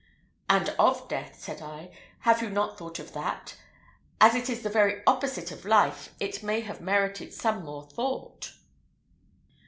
"And of death," said I, "have you not thought of that? As it is the very opposite of life it may have merited some more thought."